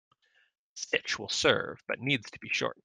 The stitch will serve but needs to be shortened.